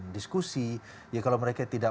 diskusi ya kalau mereka tidak